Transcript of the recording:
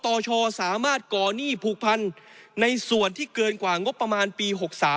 ชสามารถก่อหนี้ผูกพันในส่วนที่เกินกว่างบประมาณปี๖๓